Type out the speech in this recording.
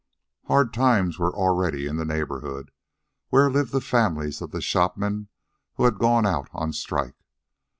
Hard times were already in the neighborhood, where lived the families of the shopmen who had gone out on strike.